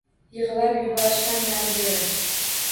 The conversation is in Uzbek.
Yigʻlab yuborishdan nari-beri